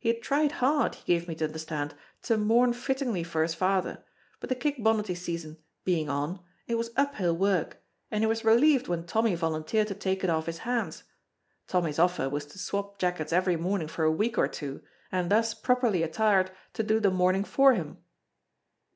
He had tried hard, he gave me to understand, to mourn fittingly for his father, but the kickbonnety season being on, it was up hill work, and he was relieved when Tommy volunteered to take it off his hands. Tommy's offer was to swop jackets every morning for a week or two, and thus properly attired to do the mourning for him."